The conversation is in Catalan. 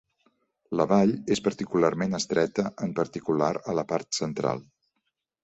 La vall és particularment estreta, en particular a la part central.